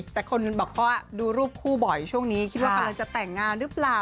แต่คนบอกว่าดูรูปคู่บ่อยช่วงนี้คิดว่ากำลังจะแต่งงานหรือเปล่า